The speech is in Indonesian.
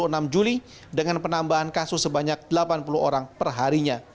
kota surabaya menjadi yang terbanyak dengan delapan an kasus per dua puluh tahun